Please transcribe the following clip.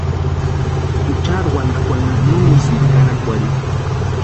Juchari wantankwanha no úsïnti karakwarhini.